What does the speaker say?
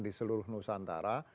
di seluruh nusantara